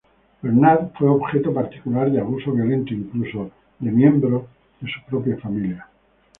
Bernard fue objeto particular de abuso violento, incluso de miembros de su propia familia.